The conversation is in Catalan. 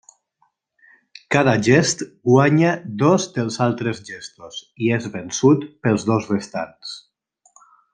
Cada gest guanya dos dels altres gestos i és vençut pels dos restants.